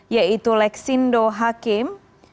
yaitu lexindo hakim